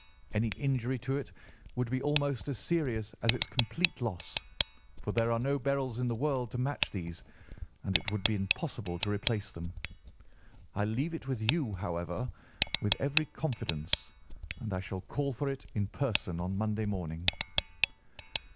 Any injury to it would be almost as serious as its complete loss, for there are no beryls in the world to match these, and it would be impossible to replace them. I leave it with you, however, with every confidence, and I shall call for it in person on Monday morning.